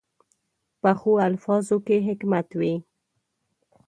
پخو الفاظو کې حکمت وي